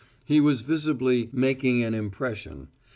He was visibly "making an impression."